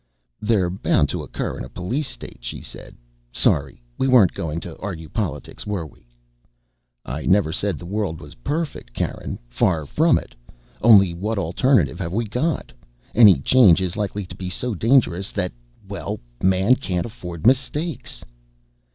"They're bound to occur in a police state," she said. "Sorry. We weren't going to argue politics, were we?" "I never said the world was perfect, Karen. Far from it. Only what alternative have we got? Any change is likely to be so dangerous that well, man can't afford mistakes."